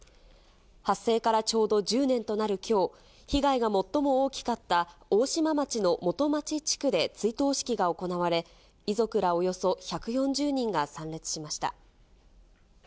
発生からちょうど１０年となるきょう、被害が最も大きかった大島町の元町地区で追悼式が行われ、遺族らおよそ１４０人が参列しました。